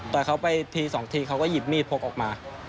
แต่เขาไปทีสองทีเขาก็หยิบมีดพกออกมา